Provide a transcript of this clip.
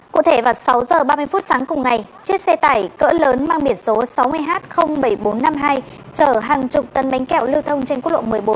cụ thể vào sáu h ba mươi phút sáng cùng ngày chiếc xe tải cỡ lớn mang biển số sáu mươi h bảy nghìn bốn trăm năm mươi hai chở hàng chục tấn bánh kẹo lưu thông trên quốc lộ một mươi bốn